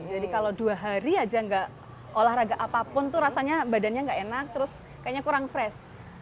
jadi kalau dua hari aja nggak olahraga apapun tuh rasanya badannya nggak enak terus kayaknya kurang fresh